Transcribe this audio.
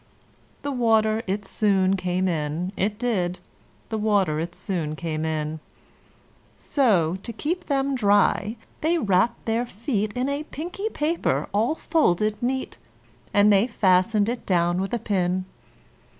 The water it soon came in, it did; The water it soon came in: So, to keep them dry, they wrapped their feet In a pinky paper all folded neat; And they fastened it down with a pin.